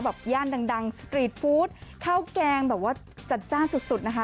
ย่านดังสตรีทฟู้ดข้าวแกงแบบว่าจัดจ้านสุดนะคะ